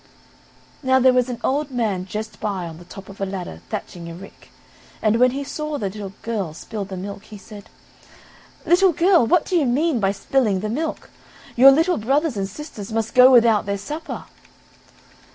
Now there was an old man just by on the top of a ladder thatching a rick, and when he saw the little girl spill the milk, he said: "Little girl, what do you mean by spilling the milk, your little brothers and sisters must go without their supper."